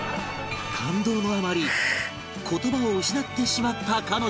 感動のあまり言葉を失ってしまった彼女は